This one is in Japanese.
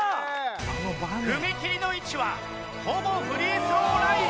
踏み切りの位置はほぼフリースローライン。